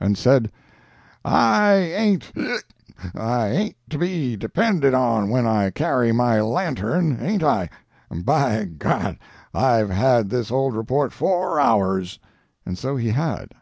—and said: "I ain't (e uck!) I ain't to be depended on when I carry my lantern, ain't I! By G—, I've had this old report four hours!" And so he had.